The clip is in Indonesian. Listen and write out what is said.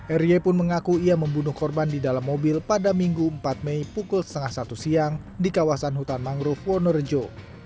ery pun mengaku ia membunuh korban di dalam mobil pada minggu empat mei pukul setengah satu siang di kawasan hutan mangrove wonorejo